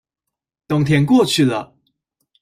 冬天過去了